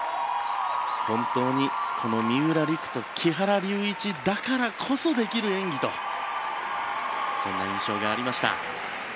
この三浦璃来と木原龍一だからこそできる演技とそんな印象がありました。